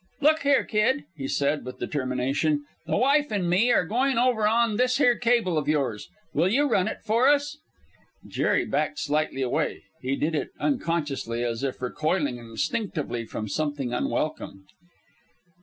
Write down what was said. "Look here, kid," he said, with determination, "the wife and me are goin' over on this here cable of yours! Will you run it for us?" Jerry backed slightly away. He did it unconsciously, as if recoiling instinctively from something unwelcome.